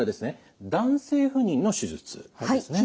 男性不妊の手術ですね。